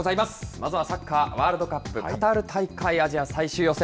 まずはサッカー、ワールドカップカタール大会、アジア最終予選。